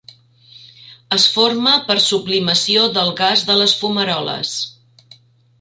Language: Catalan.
Es forma per sublimació del gas de les fumaroles.